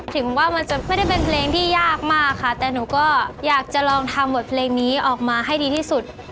ถึงว่ามันจะไม่ได้เป็นเพลงที่ยากมากค่ะแต่หนูก็อยากจะลองทำบทเพลงนี้ออกมาให้ดีที่สุด